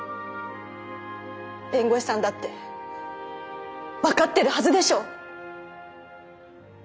弁護士さんだって分かってるはずでしょ！？